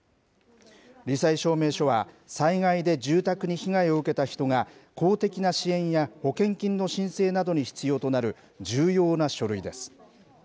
り災証明書は、災害で住宅に被害を受けた人が、公的な支援や保険金の申請などに必要となる、重要な書類です。